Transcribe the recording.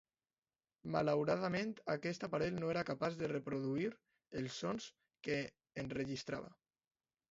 Malauradament aquest aparell no era capaç de reproduir els sons que enregistrava.